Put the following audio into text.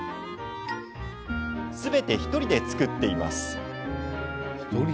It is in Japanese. すべて１人で作っています。